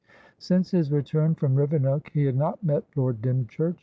Since his return from Rivenoak, he had not met Lord Dymchurch.